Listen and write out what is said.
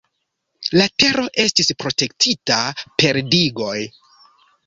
La tero estis protektita per digoj.